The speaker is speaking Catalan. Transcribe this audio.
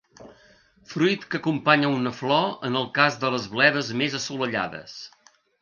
Fruit que acompanya una flor en el cas de les bledes més assolellades.